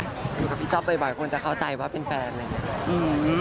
อยู่กับพี่ก๊อฟบ่อยควรจะเข้าใจว่าเป็นแฟนอะไรอย่างนี้